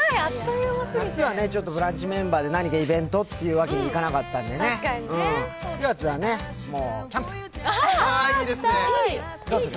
夏は「ブランチ」メンバーで何かイベントというわけにもいかなかったんでね、９月はね、もうキャンプ！